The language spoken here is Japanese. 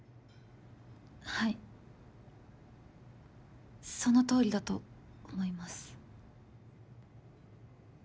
はいそのとおりだと思います。